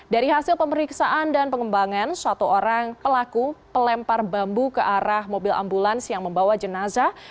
dari hasil pemeriksaan dan pengembangan satu orang pelaku pelempar bambu ke arah mobil ambulans yang membawa jenazah